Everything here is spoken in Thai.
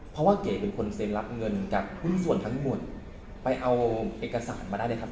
เพราะว่าเก๋เป็นคนเซ็นรับเงินจากหุ้นส่วนทั้งหมดไปเอาเอกสารมาได้เลยครับ